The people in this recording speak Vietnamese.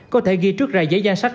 có thể ghi trước ra giấy danh sách